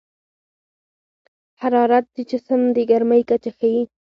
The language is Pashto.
حرارت د جسم د ګرمۍ کچه ښيي.